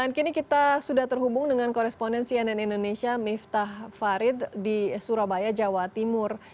dan kini kita sudah terhubung dengan koresponden cnn indonesia miftah farid di surabaya jawa timur